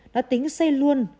nó tính xây luôn